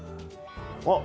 あっ！